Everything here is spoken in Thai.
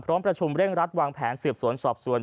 พร้อมประชุมเร่งรัฐวางแผนเสียบสวนสอบส่วน